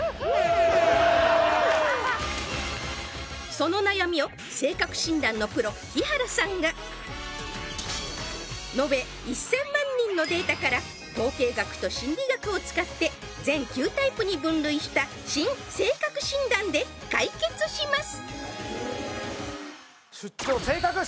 その悩みを性格診断のプロ木原さんが延べ１０００万人のデータから統計学と心理学を使って全９タイプに分類した新性格診断で解決します